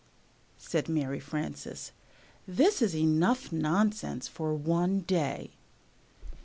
said Mary Frances. "This is enough nonsense for one day.